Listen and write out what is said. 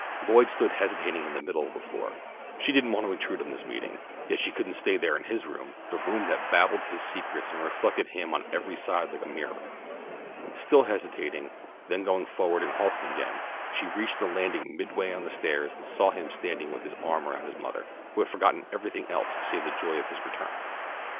Lloyd stood hesitating in the middle of the floor. She didn't want to intrude on this meeting, yet she couldn't stay there in his room, the room that babbled his secrets and reflected him on every side like a mirror. Still hesitating, then going forward and halting again, she reached the landing midway on the stairs and saw him standing with his arm around his mother, who had forgotten everything else save the joy of his return.